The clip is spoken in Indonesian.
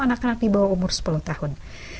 anak anak di bawah umur sepuluh tahun